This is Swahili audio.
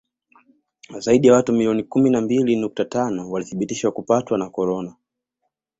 Zaidi ya watu milioni kumi na mbili nukta tano walithibitishwa kupatwa na korona